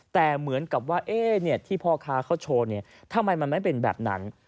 แต่เหมือนกับว่าที่พ่อค้าเขาโชว์เนี่ยทำไมมันไม่เป็นแบบนั้น